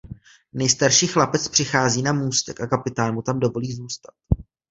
Nejstarší chlapec přichází na můstek a kapitán mu tam dovolí zůstat.